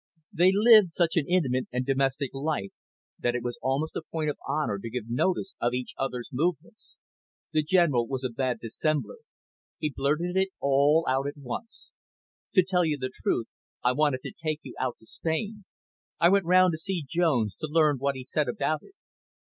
They lived such an intimate and domestic life, that it was almost a point of honour to give notice of each other's movements. The General was a bad dissembler. He blurted it all out at once. "To tell you the truth, I wanted to take you out to Spain. I went round to see Jones, to learn what he said about it.